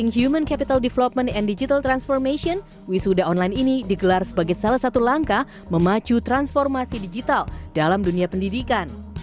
human capital development and digital transformation wisuda online ini digelar sebagai salah satu langkah memacu transformasi digital dalam dunia pendidikan